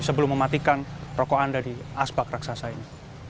sebelum mematikan proko anda di asbak raksasa ini